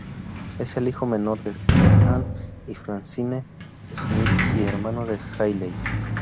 Es el hijo menor de Stan y Francine Smith, y hermano de Hayley.